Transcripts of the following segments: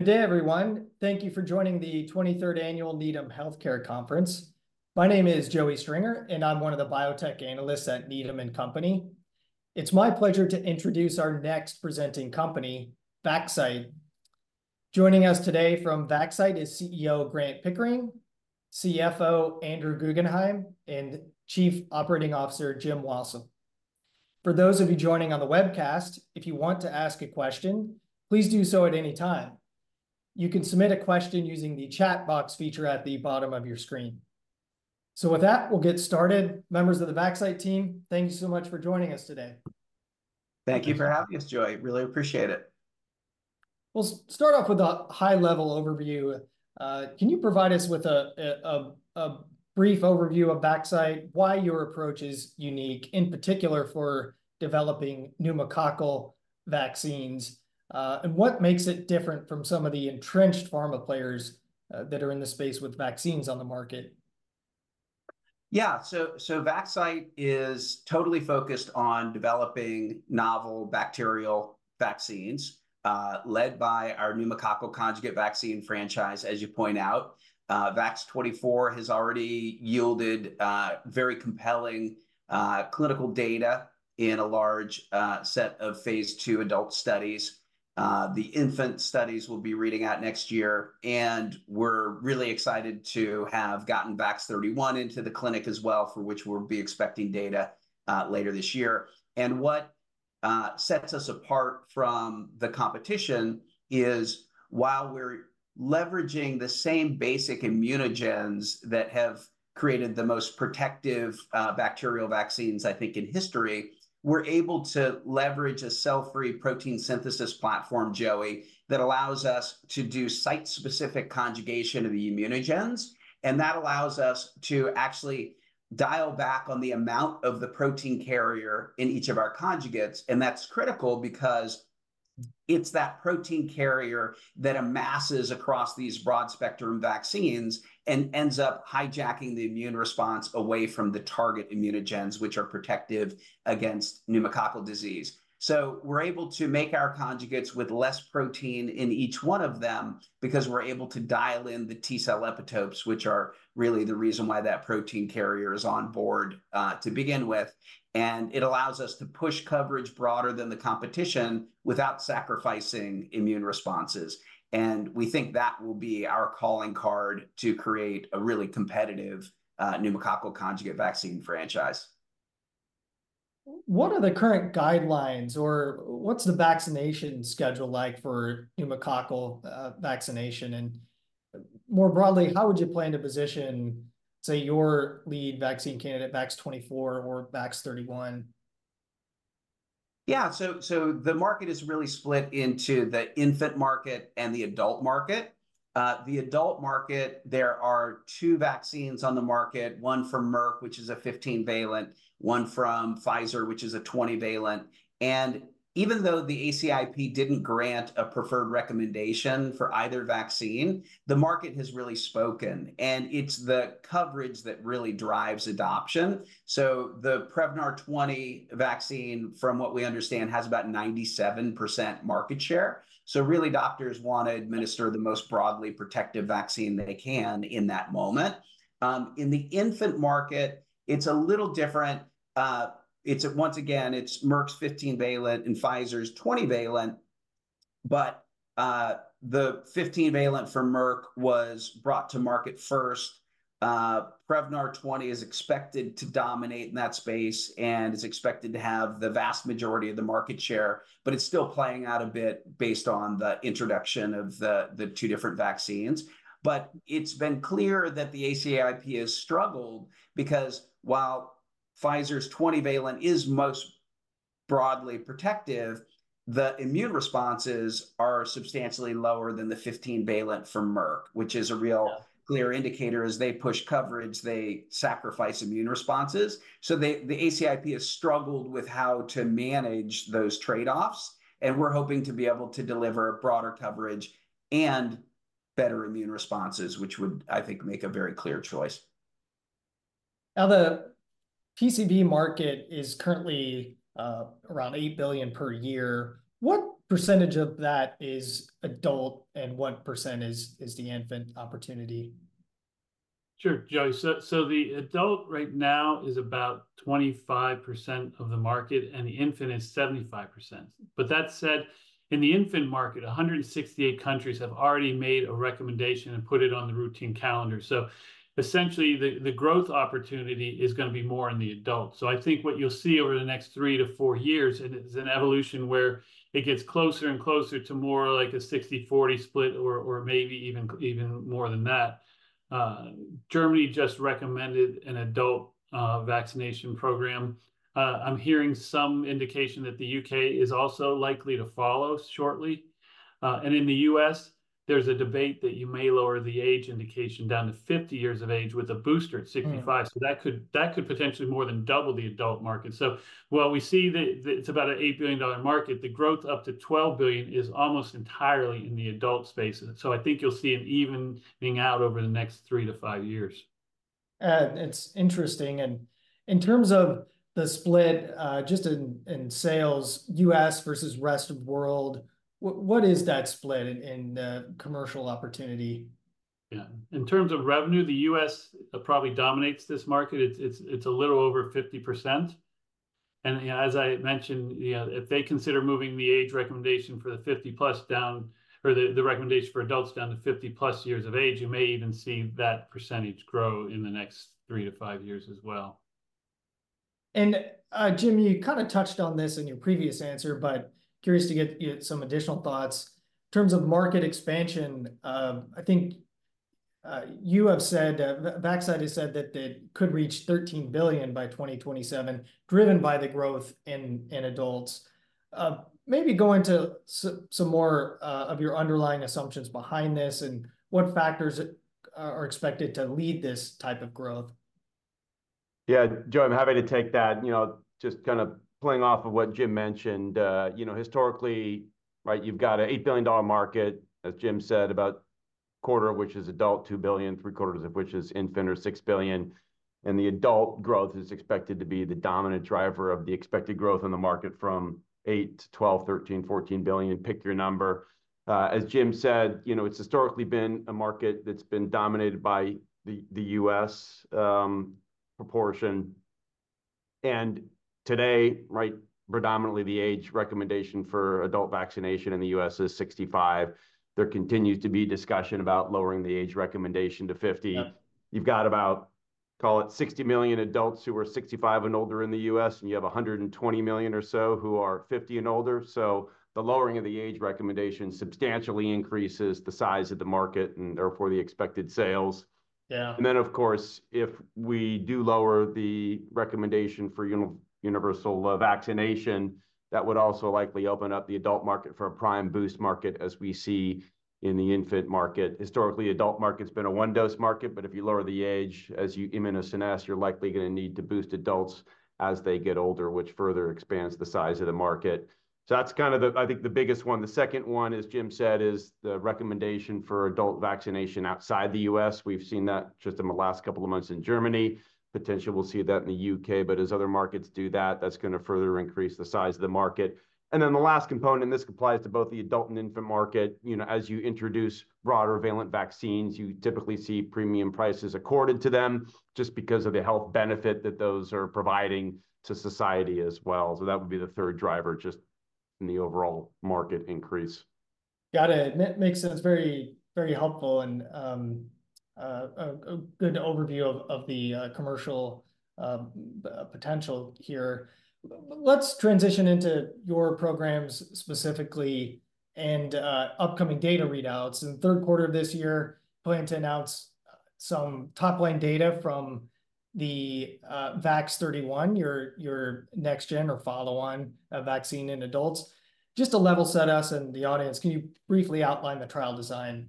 Good day, everyone. Thank you for joining the 23rd Annual Needham Healthcare Conference. My name is Joey Stringer, and I'm one of the biotech analysts at Needham & Company. It's my pleasure to introduce our next presenting company, Vaxcyte. Joining us today from Vaxcyte is CEO Grant Pickering, CFO Andrew Guggenhime, and Chief Operating Officer Jim Wassil. For those of you joining on the webcast, if you want to ask a question, please do so at any time. You can submit a question using the chat box feature at the bottom of your screen. So with that, we'll get started. Members of the Vaxcyte team, thank you so much for joining us today. Thank you for having us, Joey. Really appreciate it. We'll start off with a high-level overview. Can you provide us with a brief overview of Vaxcyte, why your approach is unique, in particular for developing pneumococcal vaccines, and what makes it different from some of the entrenched pharma players that are in the space with vaccines on the market? Yeah. So Vaxcyte is totally focused on developing novel bacterial vaccines, led by our pneumococcal conjugate vaccine franchise, as you point out. VAX-24 has already yielded very compelling clinical data in a large set of phase II adult studies. The infant studies will be reading out next year, and we're really excited to have gotten VAX-31 into the clinic as well, for which we'll be expecting data later this year. And what sets us apart from the competition is while we're leveraging the same basic immunogens that have created the most protective bacterial vaccines, I think, in history, we're able to leverage a cell-free protein synthesis platform, Joey, that allows us to do site-specific conjugation of the immunogens, and that allows us to actually dial back on the amount of the protein carrier in each of our conjugates. That's critical because it's that protein carrier that amasses across these broad-spectrum vaccines and ends up hijacking the immune response away from the target immunogens, which are protective against pneumococcal disease. We're able to make our conjugates with less protein in each one of them because we're able to dial in the T cell epitopes, which are really the reason why that protein carrier is on board to begin with, and it allows us to push coverage broader than the competition without sacrificing immune responses. We think that will be our calling card to create a really competitive pneumococcal conjugate vaccine franchise. What are the current guidelines, or what's the vaccination schedule like for pneumococcal vaccination? And more broadly, how would you plan to position, say, your lead vaccine candidate, VAX-24 or VAX-31? Yeah. So the market is really split into the infant market and the adult market. The adult market, there are two vaccines on the market, one from Merck, which is a 15-valent, one from Pfizer, which is a 20-valent. And even though the ACIP didn't grant a preferred recommendation for either vaccine, the market has really spoken, and it's the coverage that really drives adoption. So the Prevnar 20 vaccine, from what we understand, has about 97% market share. So really, doctors want to administer the most broadly protective vaccine they can in that moment. In the infant market, it's a little different. It's once again Merck's 15-valent and Pfizer's 20-valent, but the 15-valent from Merck was brought to market first. Prevnar 20 is expected to dominate in that space and is expected to have the vast majority of the market share, but it's still playing out a bit based on the introduction of the, the two different vaccines. But it's been clear that the ACIP has struggled because while Pfizer's 20-valent is most broadly protective, the immune responses are substantially lower than the 15-valent from Merck, which is a real- Yeah ...clear indicator. As they push coverage, they sacrifice immune responses. So the ACIP has struggled with how to manage those trade-offs, and we're hoping to be able to deliver broader coverage and better immune responses, which would, I think, make a very clear choice. Now, the PCV market is currently around $8 billion per year. What percentage of that is adult, and what percent is the infant opportunity? Sure, Joey. So the adult right now is about 25% of the market, and the infant is 75%. But that said, in the infant market, 168 countries have already made a recommendation and put it on the routine calendar. So essentially, the growth opportunity is gonna be more in the adult. So I think what you'll see over the next three to four years, and it's an evolution where it gets closer and closer to more like a 60/40 split or, or maybe even, even more than that. Germany just recommended an adult vaccination program. I'm hearing some indication that the U.K. is also likely to follow shortly. And in the U.S., there's a debate that you may lower the age indication down to 50 years of age with a booster at 65. So that could, that could potentially more than double the adult market. So while we see the—it's about an $8 billion market, the growth up to $12 billion is almost entirely in the adult space. So I think you'll see it evening out over the next three to five years.... it's interesting. And in terms of the split, just in sales, U.S. versus rest of world, what is that split in the commercial opportunity? Yeah. In terms of revenue, the U.S. probably dominates this market. It's a little over 50%. Yeah, as I mentioned, yeah, if they consider moving the age recommendation for the 50+ down, or the recommendation for adults down to 50+ years of age, you may even see that percentage grow in the next three to five years as well. Jim, you kind of touched on this in your previous answer, but curious to get some additional thoughts. In terms of market expansion, I think you have said that Vaxcyte has said that they could reach $13 billion by 2027, driven by the growth in adults. Maybe go into some more of your underlying assumptions behind this, and what factors are expected to lead this type of growth? Yeah, Joe, I'm happy to take that. You know, just kind of playing off of what Jim mentioned, you know, historically, right, you've got an $8 billion market, as Jim said, about a quarter of which is adult, $2 billion, three-quarters of which is infant, or $6 billion. And the adult growth is expected to be the dominant driver of the expected growth in the market from $8 billion to $12 billion, $13 billion, $14 billion, pick your number. As Jim said, you know, it's historically been a market that's been dominated by the U.S. proportion. And today, right, predominantly the age recommendation for adult vaccination in the U.S. is 65. There continues to be discussion about lowering the age recommendation to 50. Yeah. You've got about, call it 60 million adults who are 65 and older in the U.S., and you have 120 million or so who are 50 and older. So the lowering of the age recommendation substantially increases the size of the market, and therefore the expected sales. Yeah. And then, of course, if we do lower the recommendation for universal vaccination, that would also likely open up the adult market for a prime boost market, as we see in the infant market. Historically, adult market's been a one-dose market, but if you lower the age, as you immunosenescence, you're likely gonna need to boost adults as they get older, which further expands the size of the market. So that's kind of the, I think, the biggest one. The second one, as Jim said, is the recommendation for adult vaccination outside the U.S. We've seen that just in the last couple of months in Germany. Potentially we'll see that in the UK. But as other markets do that, that's gonna further increase the size of the market. And then the last component, and this applies to both the adult and infant market, you know, as you introduce broader valent vaccines, you typically see premium prices accorded to them, just because of the health benefit that those are providing to society as well. That would be the third driver, just in the overall market increase. Got it. Makes sense. Very, very helpful, and a good overview of the commercial potential here. Let's transition into your programs specifically, and upcoming data readouts. In the third quarter of this year, planning to announce some top-line data from the VAX-31, your next gen or follow-on vaccine in adults. Just to level set us and the audience, can you briefly outline the trial design?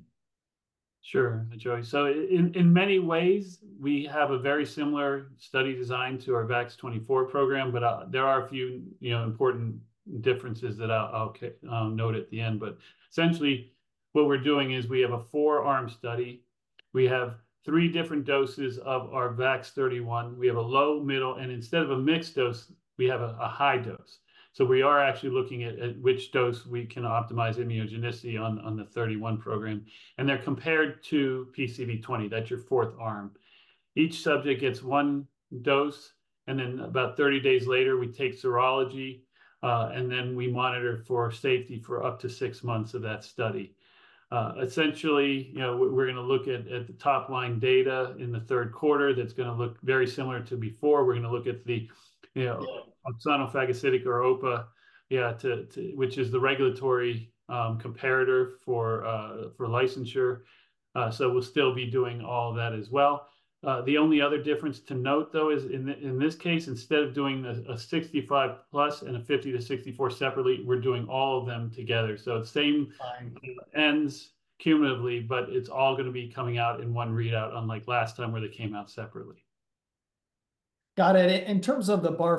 Sure, Joey. So in many ways, we have a very similar study design to our VAX-24 program, but there are a few, you know, important differences that I'll note at the end. But essentially, what we're doing is we have a four-arm study. We have three different doses of our VAX-31. We have a low, middle, and instead of a mixed dose, we have a high dose. So we are actually looking at which dose we can optimize immunogenicity on the 31 program, and they're compared to PCV20. That's your fourth arm. Each subject gets one dose, and then about 30 days later, we take serology, and then we monitor for safety for up to six months of that study. Essentially, you know, we're gonna look at the top-line data in the third quarter. That's gonna look very similar to before. We're gonna look at the, you know- Yeah... opsonophagocytic, or OPA, yeah, which is the regulatory comparator for licensure. So we'll still be doing all of that as well. The only other difference to note, though, is in this case, instead of doing a 65+ and a 50-64 separately, we're doing all of them together. So the same- Fine... ends cumulatively, but it's all gonna be coming out in one readout, unlike last time, where they came out separately. Got it. In terms of the bar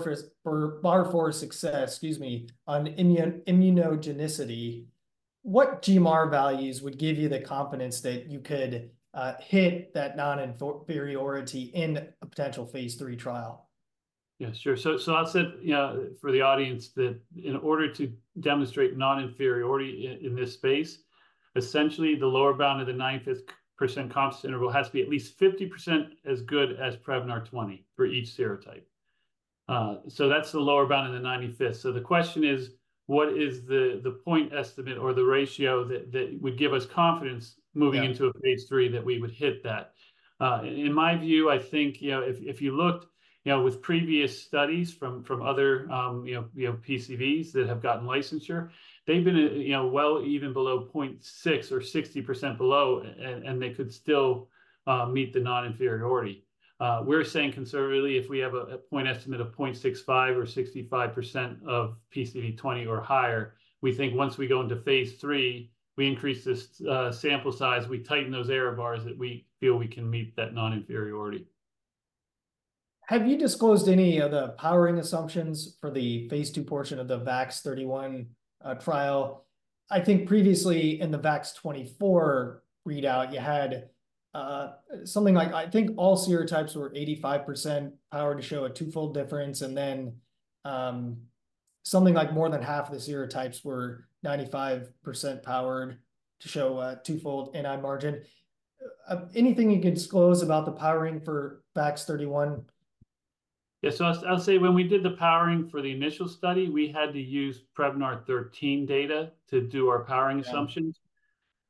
for success, excuse me, on immunogenicity, what GMR values would give you the confidence that you could hit that non-inferiority in a potential phase III trial? Yeah, sure. So, I'll say, for the audience, that in order to demonstrate non-inferiority in this space, essentially the lower bound of the 95% confidence interval has to be at least 50% as good as Prevnar 20 for each serotype. So that's the lower bound in the 95%. So the question is: What is the point estimate or the ratio that would give us confidence- Yeah... moving into a phase III, that we would hit that? In my view, I think, you know, if, if you looked, you know, with previous studies from other, you know, PCVs that have gotten licensure, they've been, you know, well even below 0.6 or 60% below, and they could still meet the non-inferiority. We're saying conservatively, if we have a point estimate of 0.65 or 65% of PCV20 or higher, we think once we go into phase III, we increase the sample size, we tighten those error bars, that we feel we can meet that non-inferiority.... Have you disclosed any of the powering assumptions for the phase II portion of the VAX-31 trial? I think previously in the VAX-24 readout, you had something like, I think all serotypes were 85% powered to show a twofold difference, and then something like more than half the serotypes were 95% powered to show a twofold NI margin. Anything you can disclose about the powering for VAX-31? Yeah, so I'll, I'll say when we did the powering for the initial study, we had to use Prevnar 13 data to do our powering assumptions.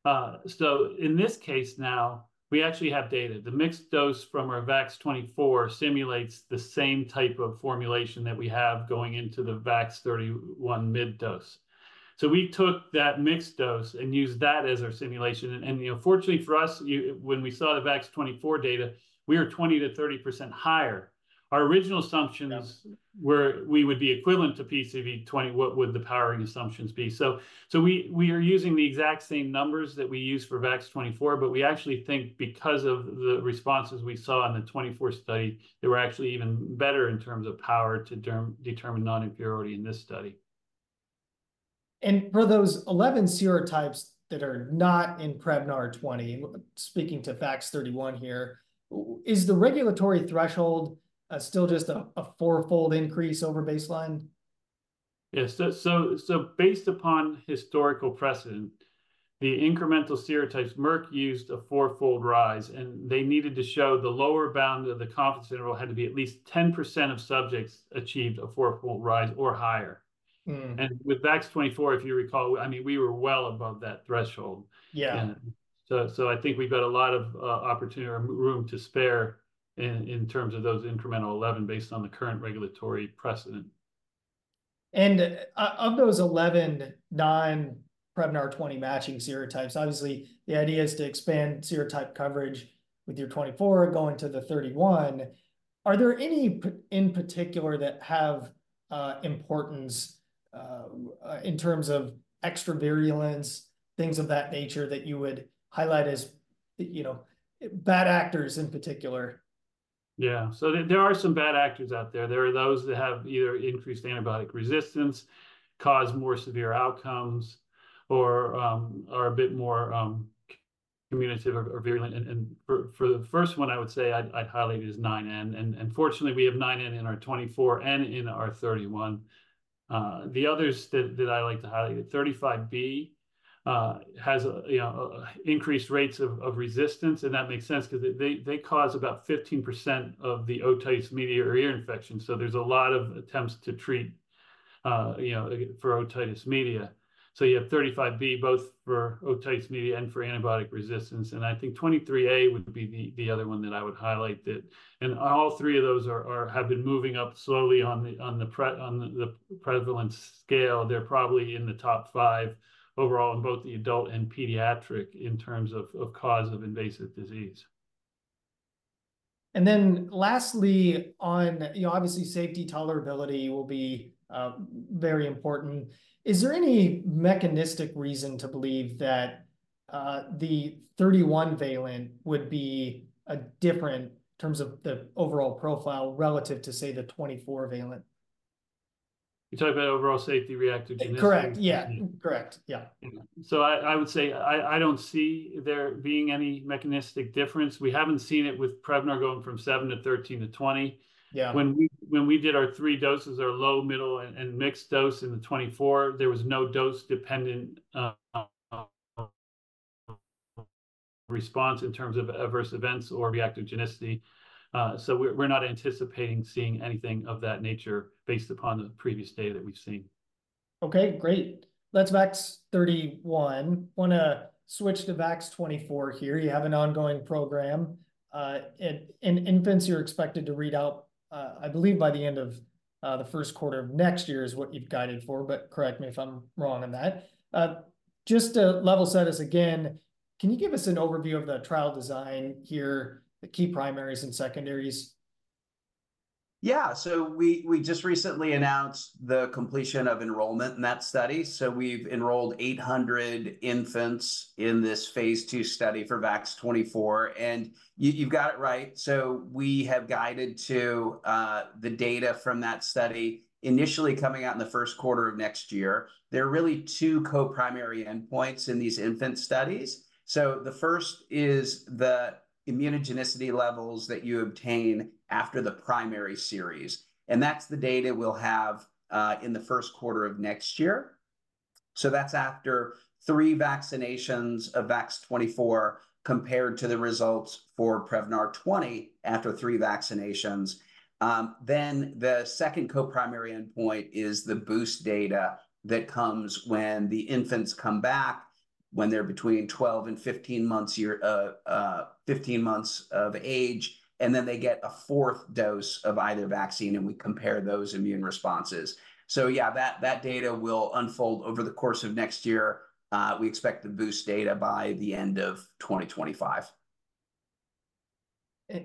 Yeah. So in this case now, we actually have data. The mixed dose from our VAX-24 simulates the same type of formulation that we have going into the VAX-31 mid dose. So we took that mixed dose and used that as our simulation, and you know, fortunately for us, when we saw the VAX-24 data, we were 20%-30% higher. Our original assumptions where we would be equivalent to PCV20, what would the powering assumptions be? So we are using the exact same numbers that we used for VAX-24, but we actually think because of the responses we saw in the 2024 study, they were actually even better in terms of power to determine non-inferiority in this study. For those 11 serotypes that are not in Prevnar 20, speaking to VAX-31 here, is the regulatory threshold still just a fourfold increase over baseline? Yeah, so based upon historical precedent, the incremental serotypes, Merck used a fourfold rise, and they needed to show the lower bound of the confidence interval had to be at least 10% of subjects achieved a fourfold rise or higher. With VAX-24, if you recall, I mean, we were well above that threshold. Yeah. I think we've got a lot of opportunity or room to spare in terms of those incremental 11 based on the current regulatory precedent. Of those 11 non-Prevnar 20 matching serotypes, obviously, the idea is to expand serotype coverage with your 24 going to the 31. Are there any in particular that have importance, in terms of extra virulence, things of that nature, that you would highlight as, you know, bad actors in particular? Yeah. So there are some bad actors out there. There are those that have either increased antibiotic resistance, cause more severe outcomes, or, are a bit more, communicative or, or virulent. And for, for the first one, I would say I'd highlight it as 9N, and fortunately, we have 9N in our 24 and in our 31. The others that I like to highlight, 35B, has, you know, increased rates of resistance, and that makes sense because they cause about 15% of the otitis media ear infections. So there's a lot of attempts to treat, you know, for otitis media. So you have 35B, both for otitis media and for antibiotic resistance, and I think 23A would be the other one that I would highlight that... All three of those have been moving up slowly on the prevalence scale. They're probably in the top five overall in both the adult and pediatric in terms of cause of invasive disease. And then lastly, on... You know, obviously, safety tolerability will be very important. Is there any mechanistic reason to believe that the 31-valent would be different in terms of the overall profile relative to, say, the 24-valent? You're talking about overall safety reactogenicity? Correct. Yeah. Correct. Yeah. So I would say I don't see there being any mechanistic difference. We haven't seen it with Prevnar going from 7 to 13 to 20. Yeah. When we did our three doses, our low, middle, and mixed dose in the 24, there was no dose-dependent response in terms of adverse events or reactogenicity. So we're not anticipating seeing anything of that nature based upon the previous data that we've seen. Okay, great. That's VAX-31. Wanna switch to VAX-24 here. You have an ongoing program. In infants, you're expected to read out, I believe by the end of the first quarter of next year is what you've guided for, but correct me if I'm wrong on that. Just to level set us again, can you give us an overview of the trial design here, the key primaries and secondaries? Yeah. So we just recently announced the completion of enrollment in that study. So we've enrolled 800 infants in this phase II study for VAX-24, and you've got it right. So we have guided to the data from that study initially coming out in the first quarter of next year. There are really two co-primary endpoints in these infant studies. So the first is the immunogenicity levels that you obtain after the primary series, and that's the data we'll have in the first quarter of next year. So that's after three vaccinations of VAX-24 compared to the results for Prevnar 20 after three vaccinations. Then the second co-primary endpoint is the boost data that comes when the infants come back, when they're between 12 and 15 months year, fifteen months of age, and then they get a fourth dose of either vaccine, and we compare those immune responses. So yeah, that, that data will unfold over the course of next year. We expect the boost data by the end of 2025.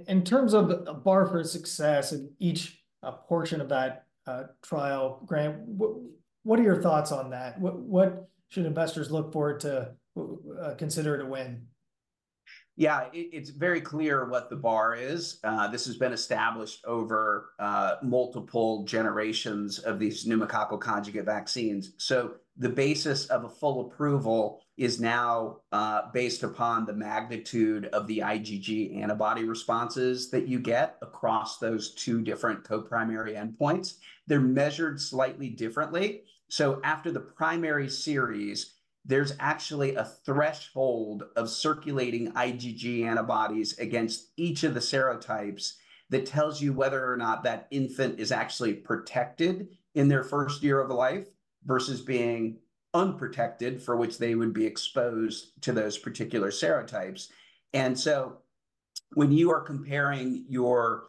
In terms of a bar for success in each portion of that trial, Grant, what are your thoughts on that? What should investors look for to consider it a win? Yeah, it, it's very clear what the bar is. This has been established over multiple generations of these pneumococcal conjugate vaccines. So the basis of a full approval is now based upon the magnitude of the IgG antibody responses that you get across those two different co-primary endpoints. They're measured slightly differently. So after the primary series, there's actually a threshold of circulating IgG antibodies against each of the serotypes that tells you whether or not that infant is actually protected in their first year of life, versus being unprotected, for which they would be exposed to those particular serotypes. And so when you are comparing your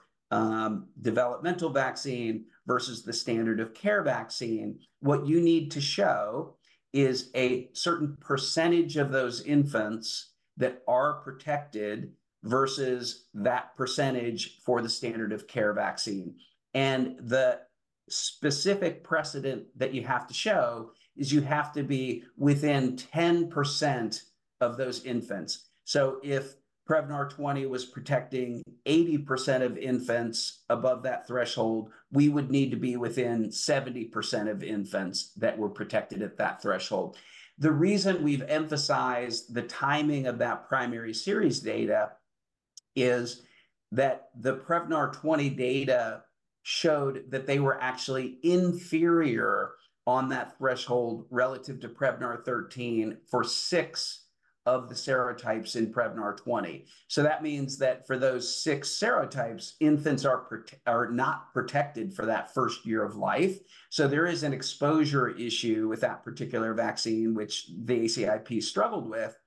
developmental vaccine versus the standard of care vaccine, what you need to show is a certain percentage of those infants that are protected versus that percentage for the standard of care vaccine. The specific precedent that you have to show is you have to be within 10% of those infants. So if Prevnar 20 was protecting 80% of infants above that threshold, we would need to be within 70% of infants that were protected at that threshold. The reason we've emphasized the timing of that primary series data is that the Prevnar 20 data showed that they were actually inferior on that threshold relative to Prevnar 13 for six of the serotypes in Prevnar 20. So that means that for those six serotypes, infants are not protected for that first year of life. So there is an exposure issue with that particular vaccine, which the ACIP struggled with.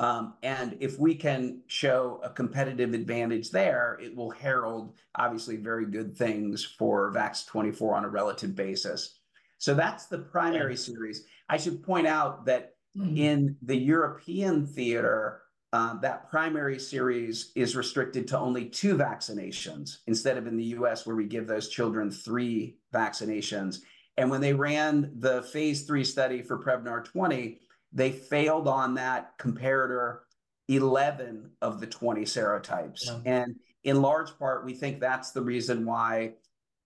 And if we can show a competitive advantage there, it will herald, obviously, very good things for VAX-24 on a relative basis. So that's the primary- Yes... series. I should point out that in the European theater, that primary series is restricted to only two vaccinations, instead of in the U.S., where we give those children three vaccinations. And when they ran the phase III study for Prevnar 20, they failed on that comparator 11 of the 20 serotypes. Yeah. In large part, we think that's the reason why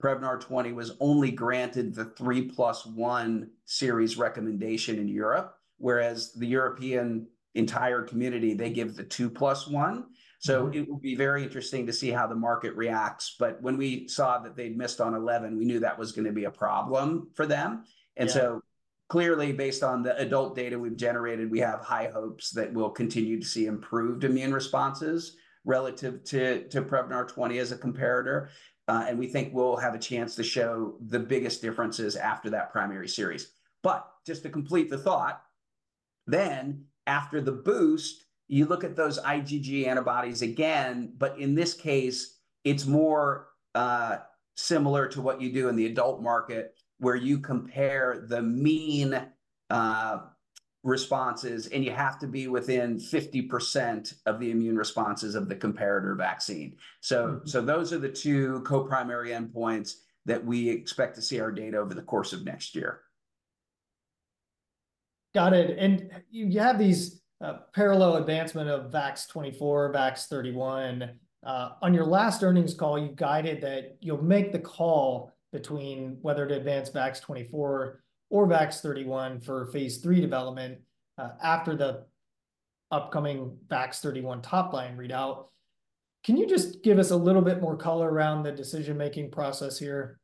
Prevnar 20 was only granted the 3 + 1 series recommendation in Europe, whereas the entire European community, they give the 2 + 1. Yeah. It will be very interesting to see how the market reacts. But when we saw that they'd missed on 11, we knew that was gonna be a problem for them. Yeah. And so clearly, based on the adult data we've generated, we have high hopes that we'll continue to see improved immune responses relative to Prevnar 20 as a comparator. And we think we'll have a chance to show the biggest differences after that primary series. But just to complete the thought, then after the boost, you look at those IgG antibodies again, but in this case, it's more similar to what you do in the adult market, where you compare the mean responses, and you have to be within 50% of the immune responses of the comparator vaccine. So, those are the two co-primary endpoints that we expect to see our data over the course of next year. Got it. And you, you have these, parallel advancement of VAX-24, VAX-31. On your last earnings call, you guided that you'll make the call between whether to advance VAX-24 or VAX-31 for phase III development, after the upcoming VAX-31 top line readout. Can you just give us a little bit more color around the decision-making process here?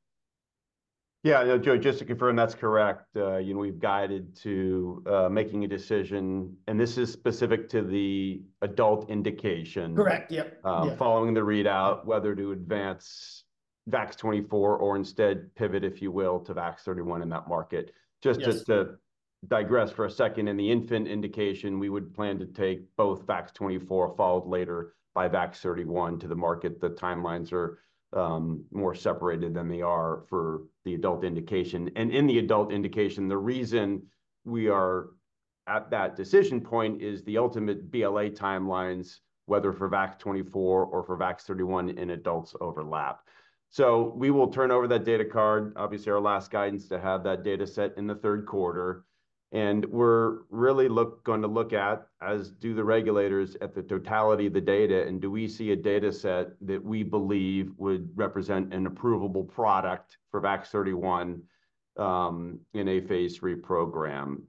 Yeah, yeah, Joe, just to confirm, that's correct. You know, we've guided to making a decision, and this is specific to the adult indication. Correct. Yep. Yeah. Following the readout, whether to advance VAX-24 or instead pivot, if you will, to VAX-31 in that market. Yes. Just to digress for a second, in the infant indication, we would plan to take both VAX-24, followed later by VAX-31 to the market. The timelines are more separated than they are for the adult indication. And in the adult indication, the reason we are at that decision point is the ultimate BLA timelines, whether for VAX-24 or for VAX-31 in adults, overlap. So we will turn over that data card, obviously, our last guidance to have that data set in the third quarter. And we're really gonna look at, as do the regulators, at the totality of the data, and do we see a data set that we believe would represent an approvable product for VAX-31 in a phase III program?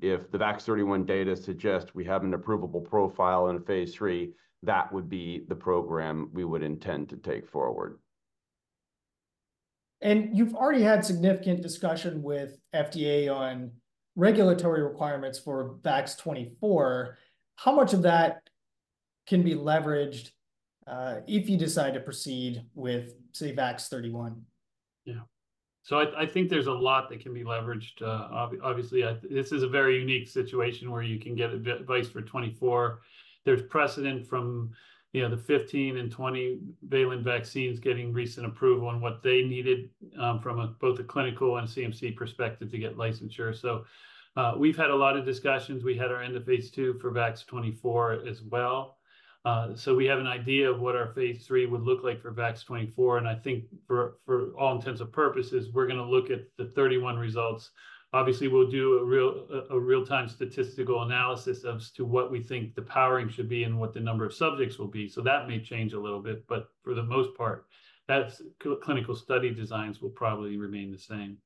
If the VAX-31 data suggests we have an approvable profile in phase III, that would be the program we would intend to take forward. You've already had significant discussion with FDA on regulatory requirements for VAX-24. How much of that can be leveraged if you decide to proceed with, say, VAX-31? Yeah. So I think there's a lot that can be leveraged. Obviously, this is a very unique situation where you can get advice for 24. There's precedent from, you know, the 15- and 20-valent vaccines getting recent approval on what they needed from both a clinical and CMC perspective to get licensure. So we've had a lot of discussions. We had our end of phase II for VAX-24 as well. So we have an idea of what our phase III would look like for VAX-24, and I think for all intents and purposes, we're gonna look at the 31 results. Obviously, we'll do a real-time statistical analysis as to what we think the powering should be and what the number of subjects will be, so that may change a little bit. But for the most part, that's... clinical study designs will probably remain the same....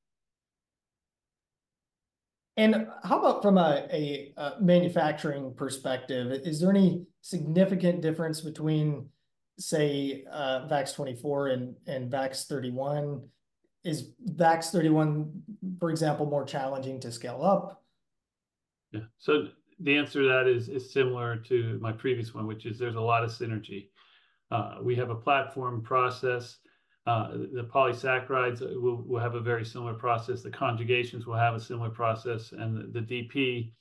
And how about from a manufacturing perspective? Is there any significant difference between, say, VAX-24 and VAX-31? Is VAX-31, for example, more challenging to scale up? Yeah, so the answer to that is similar to my previous one, which is there's a lot of synergy. We have a platform process. The polysaccharides will have a very similar process, the conjugations will have a similar process, and the DP,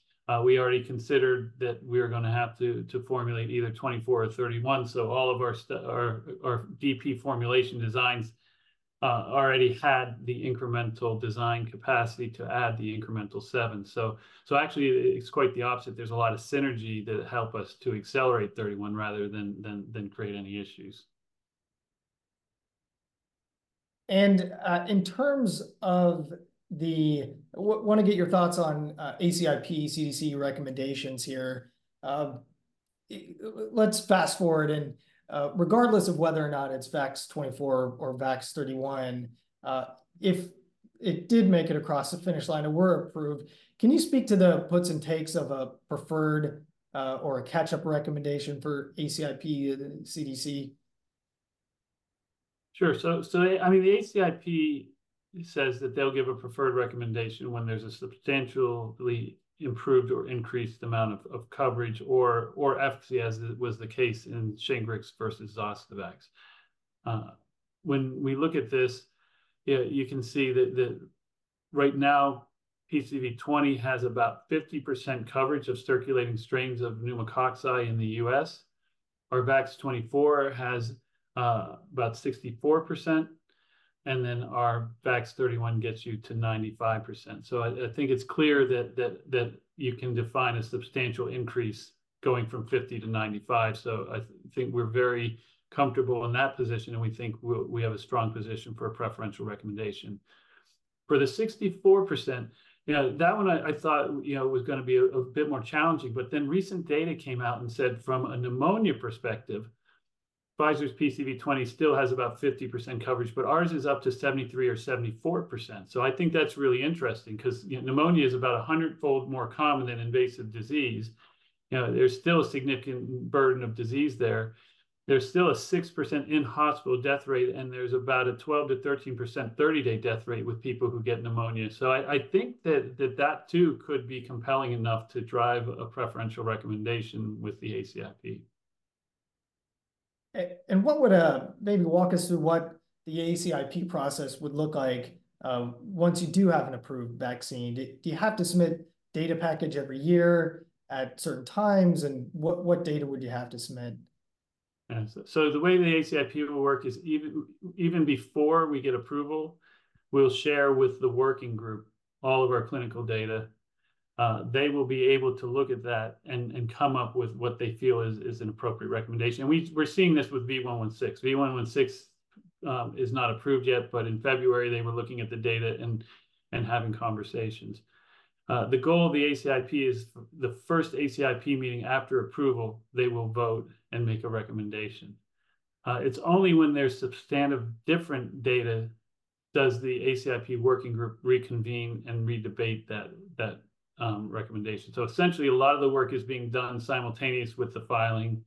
we already considered that we're gonna have to formulate either 24 or 31. So all of our DP formulation designs already had the incremental design capacity to add the incremental seven. So actually it's quite the opposite. There's a lot of synergy to help us to accelerate 31 rather than create any issues. In terms of, wanna get your thoughts on ACIP, CDC recommendations here. Let's fast-forward and, regardless of whether or not it's VAX-24 or VAX-31, if it did make it across the finish line and were approved, can you speak to the puts and takes of a preferred, or a catch-up recommendation for ACIP and CDC? Sure. So, I mean, the ACIP says that they'll give a preferred recommendation when there's a substantially improved or increased amount of coverage or efficacy, as was the case in Shingrix versus Zostavax. When we look at this, yeah, you can see that right now PCV20 has about 50% coverage of circulating strains of pneumococci in the U.S. Our VAX-24 has about 64%, and then our VAX-31 gets you to 95%. So I think it's clear that you can define a substantial increase going from 50 to 95, so I think we're very comfortable in that position, and we think we have a strong position for a preferential recommendation. For the 64%, you know, that one I thought, you know, was gonna be a bit more challenging, but then recent data came out and said from a pneumonia perspective, Pfizer's PCV20 still has about 50% coverage, but ours is up to 73%-74%. So I think that's really interesting, 'cause, you know, pneumonia is about 100-fold more common than invasive disease. You know, there's still a significant burden of disease there. There's still a 6% in-hospital death rate, and there's about a 12%-13% 30-day death rate with people who get pneumonia. So I think that too could be compelling enough to drive a preferential recommendation with the ACIP. And what would a... Maybe walk us through what the ACIP process would look like, once you do have an approved vaccine. Do you have to submit data package every year at certain times, and what data would you have to submit? Yeah, so the way the ACIP will work is even before we get approval, we'll share with the working group all of our clinical data. They will be able to look at that and come up with what they feel is an appropriate recommendation. And we're seeing this with V116. V116 is not approved yet, but in February, they were looking at the data and having conversations. The goal of the ACIP is the first ACIP meeting after approval, they will vote and make a recommendation. It's only when there's substantive different data does the ACIP working group reconvene and re-debate that recommendation. Essentially, a lot of the work is being done simultaneous with the filing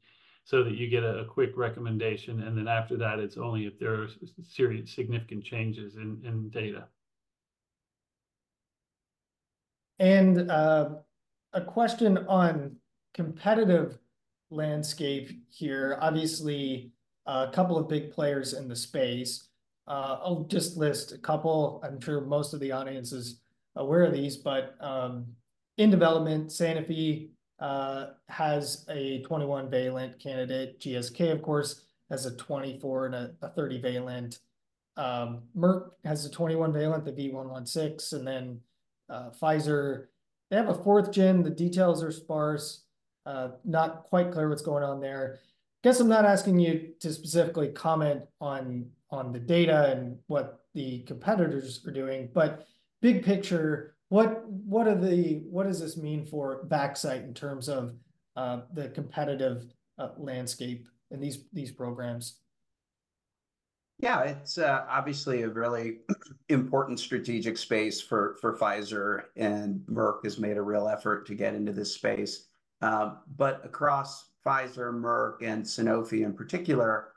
so that you get a quick recommendation, and then after that, it's only if there are serious, significant changes in data. A question on competitive landscape here. Obviously, a couple of big players in the space. I'll just list a couple. I'm sure most of the audience is aware of these, but in development, Sanofi has a 21-valent candidate. GSK, of course, has a 24- and a 30-valent. Merck has a 21-valent, the V116, and then Pfizer, they have a fourth-gen. The details are sparse. Not quite clear what's going on there. Guess I'm not asking you to specifically comment on the data and what the competitors are doing, but big picture, what does this mean for Vaxcyte in terms of the competitive landscape in these programs? Yeah, it's obviously a really important strategic space for, for Pfizer, and Merck has made a real effort to get into this space. But across Pfizer, Merck, and Sanofi in particular,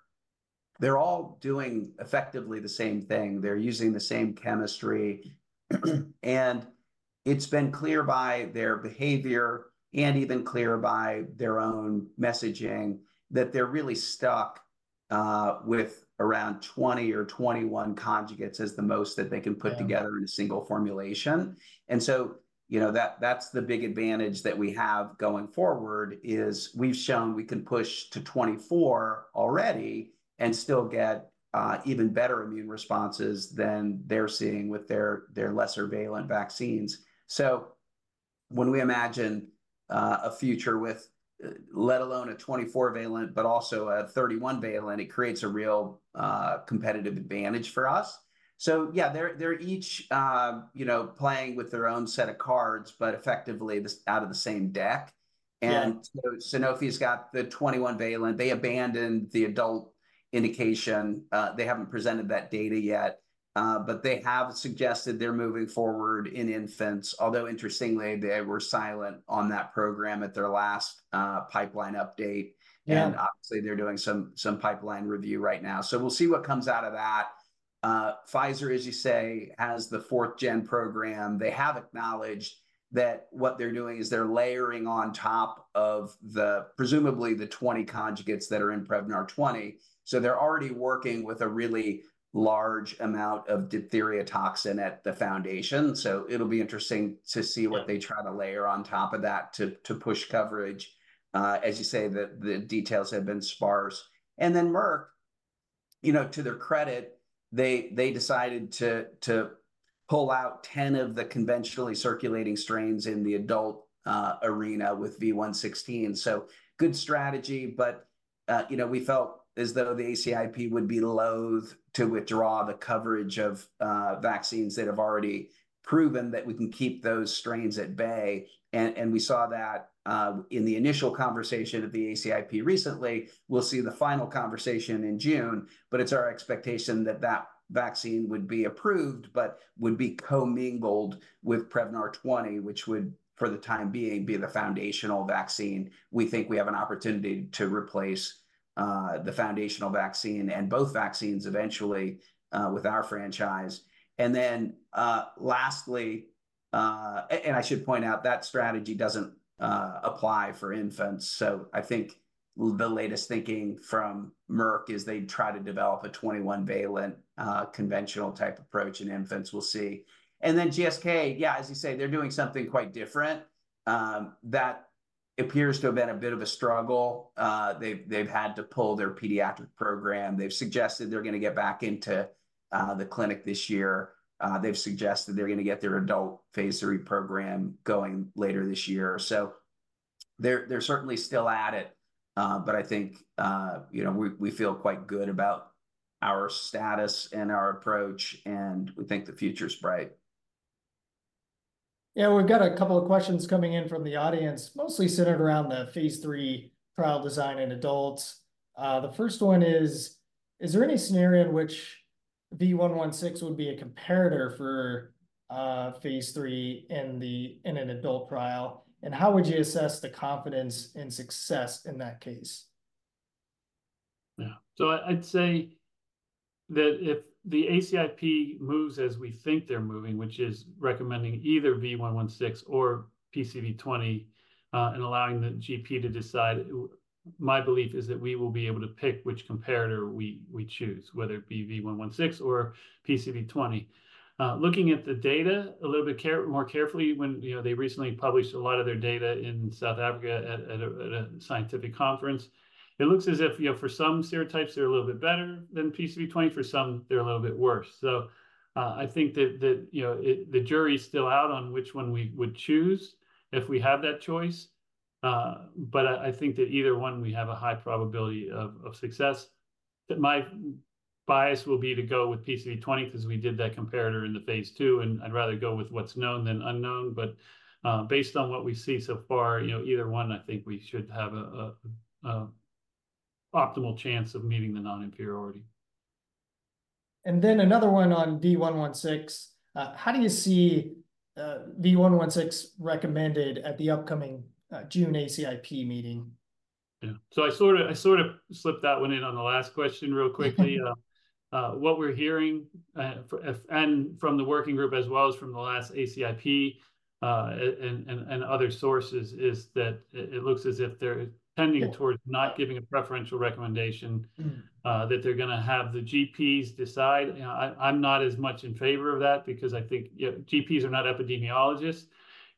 they're all doing effectively the same thing. They're using the same chemistry, and it's been clear by their behavior and even clearer by their own messaging, that they're really stuck with around 20 or 21 conjugates as the most that they can put together- Yeah... in a single formulation. You know, that, that's the big advantage that we have going forward, is we've shown we can push to 24 already and still get even better immune responses than they're seeing with their, their lesser valent vaccines. So when we imagine a future with, let alone a 24-valent, but also a 31-valent, it creates a real competitive advantage for us. So yeah, they're, they're each, you know, playing with their own set of cards, but effectively the same out of the same deck... and so Sanofi's got the 21-valent. They abandoned the adult indication. They haven't presented that data yet, but they have suggested they're moving forward in infants. Although, interestingly, they were silent on that program at their last pipeline update- Yeah. And obviously they're doing some pipeline review right now. So we'll see what comes out of that. Pfizer, as you say, has the fourth-gen program. They have acknowledged that what they're doing is they're layering on top of the, presumably the 20 conjugates that are in Prevnar 20. So they're already working with a really large amount of diphtheria toxin at the foundation, so it'll be interesting to see-... what they try to layer on top of that to push coverage. As you say, the details have been sparse. And then Merck, you know, to their credit, they decided to pull out 10 of the conventionally circulating strains in the adult arena with V116. So good strategy, but, you know, we felt as though the ACIP would be loathe to withdraw the coverage of vaccines that have already proven that we can keep those strains at bay. And we saw that in the initial conversation of the ACIP recently. We'll see the final conversation in June, but it's our expectation that that vaccine would be approved, but would be commingled with Prevnar 20, which would, for the time being, be the foundational vaccine. We think we have an opportunity to replace, the foundational vaccine, and both vaccines eventually, with our franchise. And then, lastly, and I should point out, that strategy doesn't apply for infants, so I think the latest thinking from Merck is they try to develop a 21-valent, conventional-type approach in infants. We'll see. And then GSK, yeah, as you say, they're doing something quite different. That appears to have been a bit of a struggle. They've, they've had to pull their pediatric program. They've suggested they're gonna get back into, the clinic this year. They've suggested they're gonna get their adult phase III program going later this year. They're certainly still at it, but I think, you know, we feel quite good about our status and our approach, and we think the future's bright. Yeah, we've got a couple of questions coming in from the audience, mostly centered around the phase III trial design in adults. The first one is: "Is there any scenario in which V116 would be a comparator for phase III in the, in an adult trial? And how would you assess the confidence in success in that case? Yeah. So I'd say that if the ACIP moves as we think they're moving, which is recommending either V116 or PCV20, and allowing the GP to decide, my belief is that we will be able to pick which comparator we choose, whether it be V116 or PCV20. Looking at the data a little bit more carefully, when you know they recently published a lot of their data in South Africa at a scientific conference, it looks as if, you know, for some serotypes they're a little bit better than PCV20, for some they're a little bit worse. So, I think that, you know, the jury's still out on which one we would choose if we have that choice. But I think that either one, we have a high probability of success, that my bias will be to go with PCV20, 'cause we did that comparator in the phase II, and I'd rather go with what's known than unknown. But based on what we see so far, you know, either one, I think we should have an optimal chance of meeting the non-inferiority. And then another one on V116. How do you see V116 recommended at the upcoming June ACIP meeting? Yeah. So I sort of, I sort of slipped that one in on the last question real quickly. What we're hearing from the working group, as well as from the last ACIP, and other sources, is that it looks as if they're tending- Yeah... towards not giving a preferential recommendation-... that they're gonna have the GPs decide. You know, I'm not as much in favor of that, because I think, you know, GPs are not epidemiologists.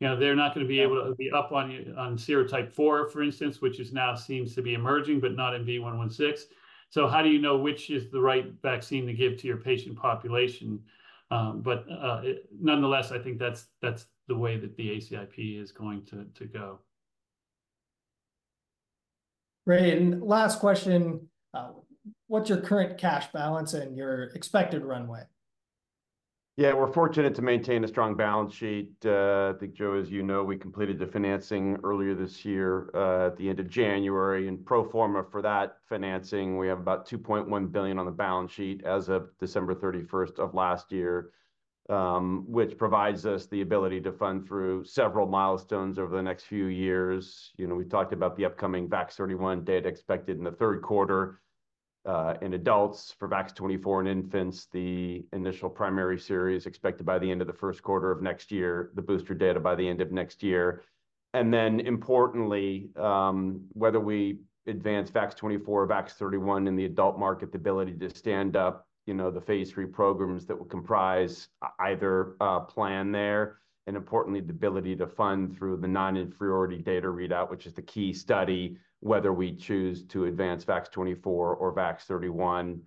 You know, they're not gonna be able to- Yeah... be up on your, on serotype 4, for instance, which is now seems to be emerging, but not in V116. So how do you know which is the right vaccine to give to your patient population? But, nonetheless, I think that's, that's the way that the ACIP is going to, to go. Great, and last question: what's your current cash balance and your expected runway? Yeah, we're fortunate to maintain a strong balance sheet. I think, Joe, as you know, we completed the financing earlier this year, at the end of January. In pro forma for that financing, we have about $2.1 billion on the balance sheet as of December 31st of last year, which provides us the ability to fund through several milestones over the next few years. You know, we talked about the upcoming VAX-31 data expected in the third quarter, in adults. For VAX-24 in infants, the initial primary series expected by the end of the first quarter of next year, the booster data by the end of next year. Importantly, whether we advance VAX-24 or VAX-31 in the adult market, the ability to stand up, you know, the phase 3 programs that will comprise either plan there, and importantly, the ability to fund through the non-inferiority data readout, which is the key study, whether we choose to advance VAX-24 or VAX-31,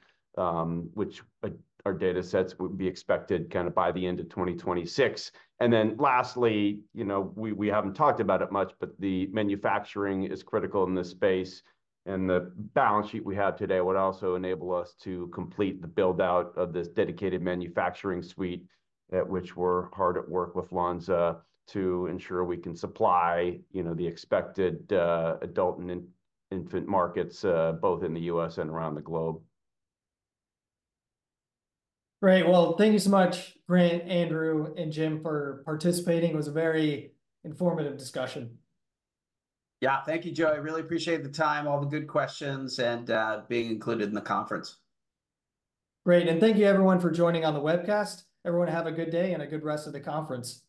which our data sets would be expected kind of by the end of 2026. Lastly, you know, we haven't talked about it much, but the manufacturing is critical in this space, and the balance sheet we have today would also enable us to complete the build-out of this dedicated manufacturing suite, at which we're hard at work with Lonza to ensure we can supply, you know, the expected adult and infant markets, both in the U.S. and around the globe. Great. Well, thank you so much, Grant, Andrew, and Jim, for participating. It was a very informative discussion. Yeah. Thank you, Joey. I really appreciate the time, all the good questions, and being included in the conference. Great, and thank you everyone for joining on the webcast. Everyone have a good day and a good rest of the conference.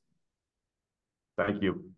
Thank you.